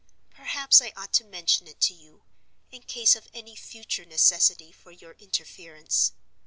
Perhaps I ought to mention it to you, in case of any future necessity for your interference.